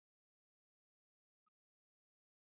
حبیبي صاحب لوی استاد د پښتو یاد سوی دئ.